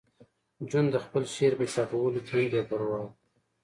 جون د خپل شعر په چاپولو کې هم بې پروا و